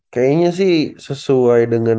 kayaknya sih sesuai dengan